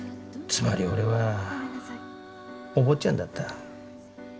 つまり俺はお坊ちゃんだった。